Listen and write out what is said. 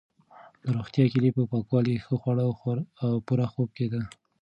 د روغتیا کلي په پاکوالي، ښه خواړه او پوره خوب کې ده.